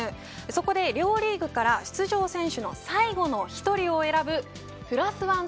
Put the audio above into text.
そこで両リーグから出場選手の最後の１人を選ぶプラスワン